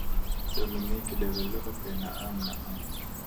dominici develope naam naam